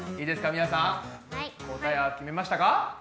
みなさん答えは決めましたか？